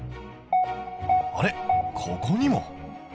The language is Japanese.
あれここにも？